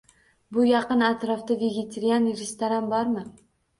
Bu yaqin atrofda vegaterian restoran bormi?